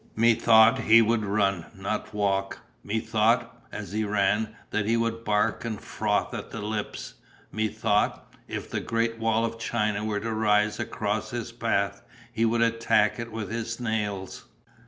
Methought he would run, not walk; methought, as he ran, that he would bark and froth at the lips; methought, if the great wall of China were to rise across his path, he would attack it with his nails.